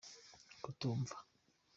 kutumva.